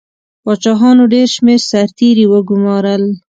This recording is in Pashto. پاچاهانو ډېر شمېر سرتیري وګمارل.